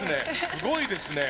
すごいですね